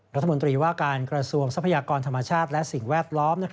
รัฐมนตรีว่าการกระทรวงทรัพยากรธรรมชาติและสิ่งแวดล้อม